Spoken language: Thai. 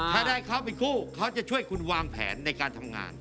ถ้าได้เขาเป็นคู่เขาจะช่วยคุณวางแผนในการทำงาน